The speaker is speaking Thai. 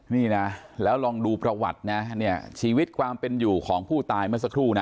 นี่นะแล้วลองดูประวัตินะเนี่ยชีวิตความเป็นอยู่ของผู้ตายเมื่อสักครู่นะ